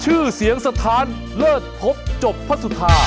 ชื่อเสียงสถานเลิศพบจบพระสุธา